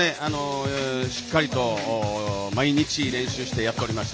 しっかりと毎日練習してやっておりました。